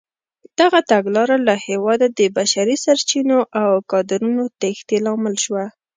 دغه تګلاره له هېواده د بشري سرچینو او کادرونو تېښتې لامل شوه.